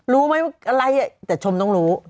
รู้ไหมว่าอะไรแต่ชมต้องรู้